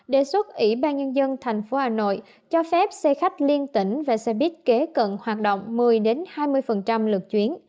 đề xuất ủy ban nhân dân tp hà nội cho phép xe khách liên tỉnh và xe buýt kế cận hoạt động một mươi hai mươi lượt chuyến